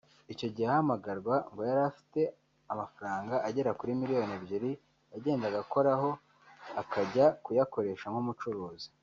Icyo gihe ahamagarwa ngo yari afiteho amafaranga agera kuri miliyoni ebyiri yagendaga akoraho akajya kuyakoresha nk’umucuruzi